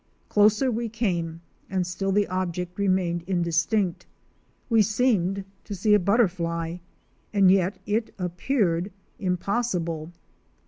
Closer we came and still the object remained indistinct; we seemed to see a butterfly and yet it appeared impossible.